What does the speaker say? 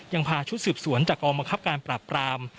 ยังพาชุดสืบสวนจากกองบังคับการปราบปราม